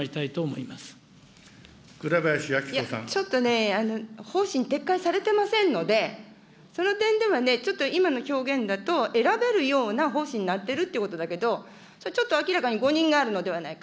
いや、ちょっとね、方針撤回されてませんので、その点ではね、ちょっと今の表現だと、選べるような方針になってるっていうことだけど、それ、ちょっと明らかに誤認があるのではないか。